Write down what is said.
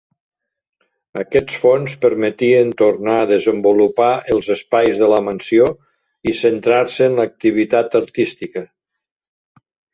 Aquests fons permetien tornar a desenvolupar els espais de la mansió i centrar-se en l'activitat artística.